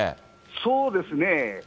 そうですね。